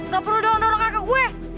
gak perlu dong dorong kakak gue